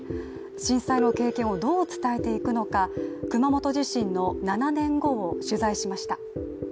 震災の経験をどう伝えていくのか熊本地震の７年後を取材しました。